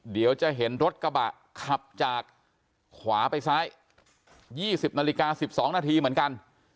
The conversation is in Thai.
เดี๋ยวจะเห็นรถกระบะขับจากขวาไปซ้าย๒๐นาฬิกา๑๒นาทีเหมือนกัน